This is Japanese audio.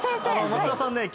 松田さんね